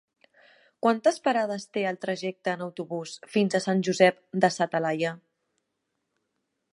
Quantes parades té el trajecte en autobús fins a Sant Josep de sa Talaia?